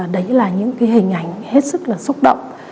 đấy là những hình ảnh hết sức xúc động